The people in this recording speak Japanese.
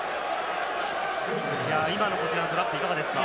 今のトラップ、いかがですか？